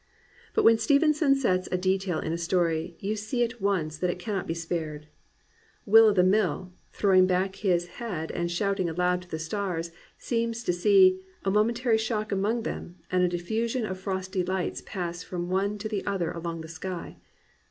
But when Stevenson sets a detail in a story you see at once that it cannot be spared. Will o' the Mill, throwing back his head and shouting aloud to the stars, seems to see "a momentary shock among them, and a diffusion of frosty light pass, from one to another along the sky."